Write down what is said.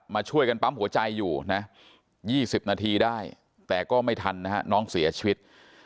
มาช่วยกันปั๊มหัวใจอยู่นะ๒๐นาทีได้แต่ก็ไม่ทันนะฮะน้องเสียชีวิต